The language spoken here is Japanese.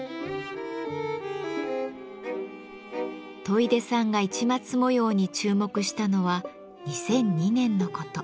戸出さんが市松模様に注目したのは２００２年のこと。